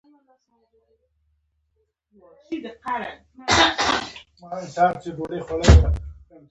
او حتی پوځیان هم پښتانه دي